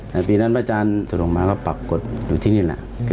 แต่ปีนั้นพระอาจารย์ถนลงมาก็ปรากฏอยู่ที่นี่แหละ